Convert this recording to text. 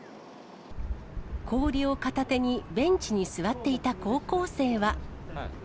氷を片手に、ベンチに座っていた高校生は。